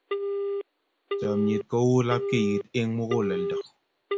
Chomnyet kou lapkeiyet eng muguleldo.